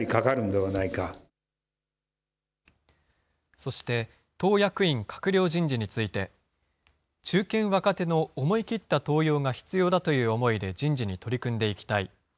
そして、党役員、閣僚人事について、中堅・若手の思い切った登用が必要だという思いで人事に取り組んでいきたい。